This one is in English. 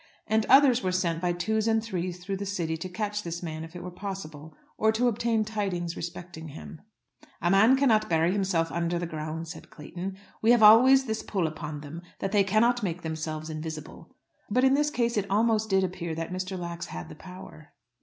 And others were sent by twos and threes through the city to catch this man if it were possible, or to obtain tidings respecting him. "A man cannot bury himself under the ground," said Clayton; "we have always this pull upon them, that they cannot make themselves invisible." But in this case it almost did appear that Mr. Lax had the power.